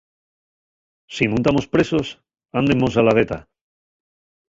Si nun tamos presos, ándenmos a la gueta.